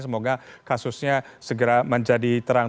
semoga kasusnya segera menjadi terang